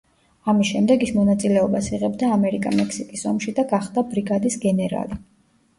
ამის შემდეგ ის მონაწილეობას იღებდა ამერიკა-მექსიკის ომში და გახდა ბრიგადის გენერალი.